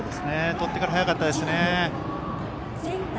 とってから早かったですね。